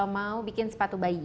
mau bikin sepatu bayi